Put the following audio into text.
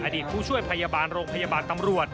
ผู้ช่วยพยาบาลโรงพยาบาลตำรวจ